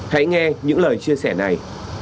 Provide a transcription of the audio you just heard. hãy nghe những lời chia sẻ này